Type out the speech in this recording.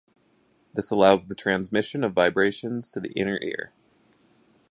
This allows the transmission of vibrations to the inner ear.